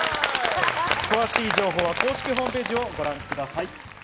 詳しい情報は公式ホームページをご覧ください。